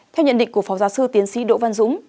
theo nhận định của phó giáo sư tiến sĩ đỗ văn dũng